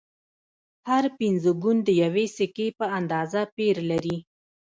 هر پنځه ګون د یوې سکې په اندازه پیر لري